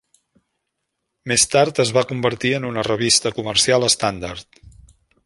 Més tard es va convertir en una revista comercial estàndard.